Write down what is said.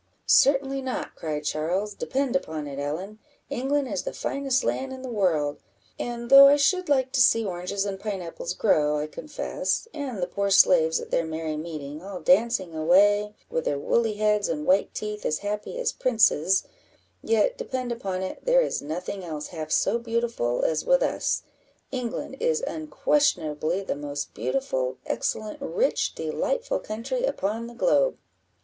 "Certainly not," cried Charles; "depend upon it, Ellen, England is the finest land in the world; and though I should like to see oranges and pine apples grow, I confess, and the poor slaves at their merry meeting, all dancing away, with their woolly heads and white teeth, as happy as princes, yet, depend upon it, there is nothing else half so beautiful as with us. England is unquestionably the most beautiful, excellent, rich, delightful country upon the globe."